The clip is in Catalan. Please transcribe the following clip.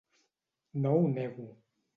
No ho nego.